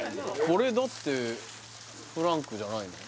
これだってフランクじゃないの？